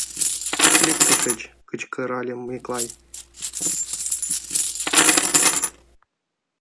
Лек тышеч! — кычкырале Миклай.